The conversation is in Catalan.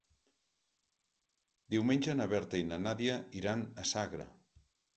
Diumenge na Berta i na Nàdia iran a Sagra.